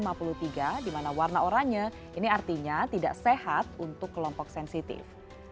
dua puluh tiga agustus konsentrasi pm dua lima sebesar lima puluh tiga dimana warna oranye ini artinya tidak sehat untuk kelompok sensitif